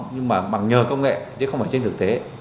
nhưng mà bằng nhờ công nghệ chứ không phải trên thực tế